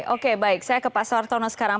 oke baik saya ke pak sartono sekarang